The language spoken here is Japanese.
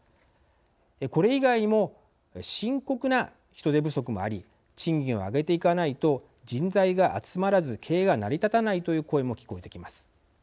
これ以外にも深刻な人手不足もあり賃金を上げていかないと人材が集まらず経営が成り立たないという声も聞こえてきます。